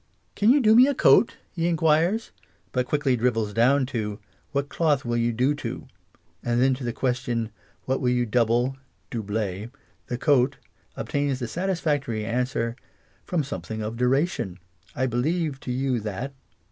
"Can you do me a coat ?*' he enquires, but quickly drivels down to " What cloth will you do to ?" and then to the question " What will you to double {doublcr) the coat ?" obtains the satisfac tory answer " From something of duration. I believe to you that."